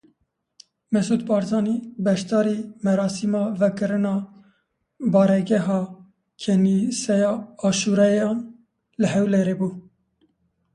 Mesûd Barzanî beşdarî merasîma vekirina Baregeha Kenîseya Aşûriyan a li Hewlêrê bû.